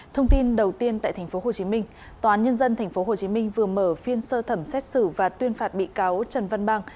thông tin đầu tiên tại tp hcm tòa án nhân dân tp hcm vừa mở phiên sơ thẩm xét xử và tuyên phạt bị cáo trần văn